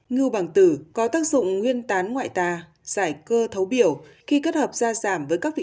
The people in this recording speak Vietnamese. ngưu bằng tử có tác dụng nguyên tán ngoại tà giải cơ thấu biểu khi kết hợp gia giảm với các vị